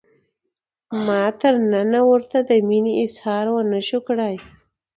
ما تر ننه ورته د مینې اظهار ونشو کړای.